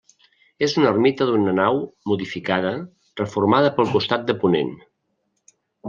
És una ermita d'una nau, modificada, reformada pel costat de ponent.